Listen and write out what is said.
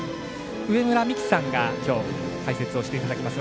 上村美揮さんがきょう、解説をしていただきます。